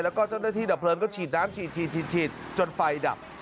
แล้วก็เจ้าหน้าที่ดับเพลิงก็ฉีดน้ำฉีดฉีดจนไฟดับ